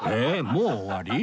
もう終わり？